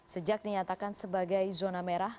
sejak dinyatakan sebagai zona merah